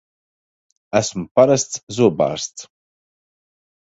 Esmu parasts zobārsts!